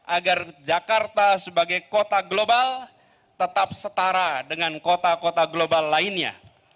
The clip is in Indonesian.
agar jakarta sebagai kota global tetap setara dengan kota kota global lainnya